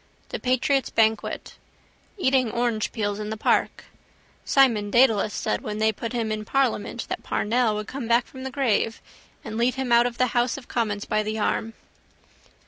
The patriot's banquet. Eating orangepeels in the park. Simon Dedalus said when they put him in parliament that Parnell would come back from the grave and lead him out of the house of commons by the arm.